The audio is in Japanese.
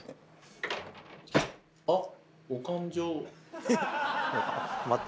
あっ！